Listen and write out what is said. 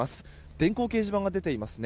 電光掲示板が出ていますね。